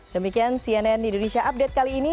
demikian cnn indonesia update kali ini